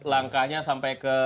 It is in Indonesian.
langkahnya sampai ke